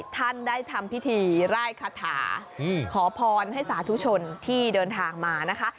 ท่านได้ทำพิธีไล่คาถาขอพรให้สาธุชนที่เดินทางมานะคะ